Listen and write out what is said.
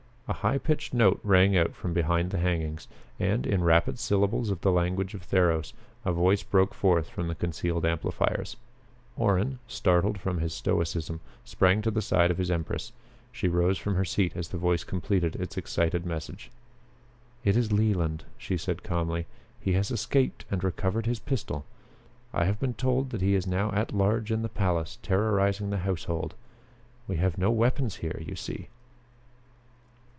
A high pitched note rang out from behind the hangings, and, in rapid syllables of the language of Theros, a voice broke forth from the concealed amplifiers. Orrin, startled from his stoicism, sprang to the side of his empress. She rose from her seat as the voice completed its excited message. "It is Leland," she said calmly. "He has escaped and recovered his pistol. I have been told that he is now at large in the palace, terrorizing the household. We have no weapons here, you see."